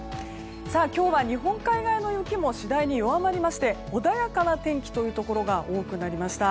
今日は日本海側の雪も次第に弱まりまして穏やかな天気のところが多くなりました。